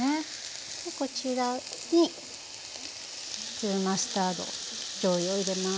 こちらに粒マスタードじょうゆを入れます。